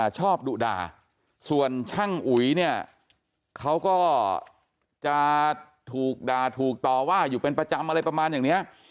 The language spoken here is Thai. ดุด่าส่วนช่างอุ๋ยเนี่ยเขาก็จะถูกด่าถูกต่อว่าอยู่เป็นประจำอะไรประมาณอย่างนี้